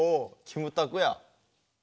キムタクや！